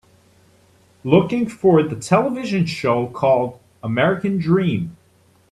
Looking for the television show called American Dream